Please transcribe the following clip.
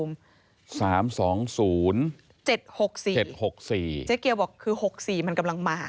มีความว่ายังไง